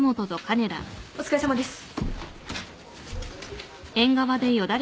お疲れさまです。